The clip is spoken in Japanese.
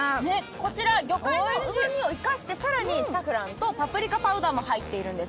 こちら、魚介のうまみを生かして、更にサフランとパプリカパウダーが入っているんです。